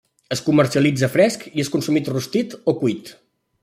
Es comercialitza fresc i és consumit rostit o cuit.